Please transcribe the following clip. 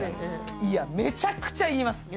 いや、めちゃくちゃ言います！